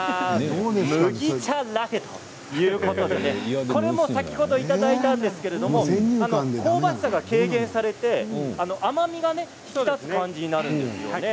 麦茶ラテということでこれも先ほどいただいたんですけれど香ばしさが軽減されて甘みが引き立つ感じなんですよね。